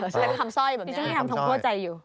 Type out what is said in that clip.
แสดงคำสร้อยแบบนี้